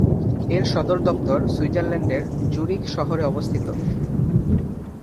এর সদর দপ্তর সুইজারল্যান্ডের জুরিখ শহরে অবস্থিত।